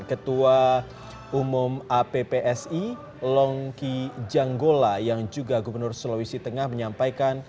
ketua umum appsi longki janggola yang juga gubernur sulawesi tengah menyampaikan